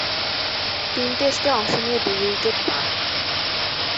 তিন টেস্টে অংশ নিয়ে দুই উইকেট পান।